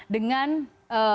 dengan menjual core business